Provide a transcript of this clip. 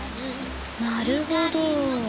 なるほど。